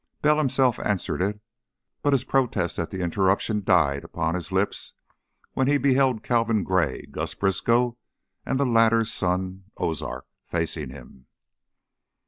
Bell himself answered it, but his protest at the interruption died upon his lips when he beheld Calvin Gray, Gus Briskow, and the latter's son, Ozark, facing him.